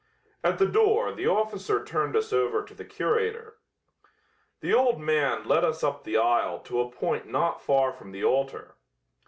At the door the officer turned us over to the curator. The old man led us up the aisle to a point not far from the altar.